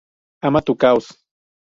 Ama tu caos.